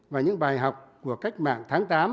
và những bài học của cách mạng tháng tám